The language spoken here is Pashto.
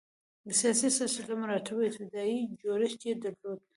د سیاسي سلسله مراتبو ابتدايي جوړښت یې درلود.